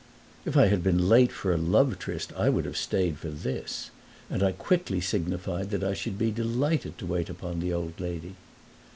If I had been late for a love tryst I would have stayed for this, and I quickly signified that I should be delighted to wait upon the old lady.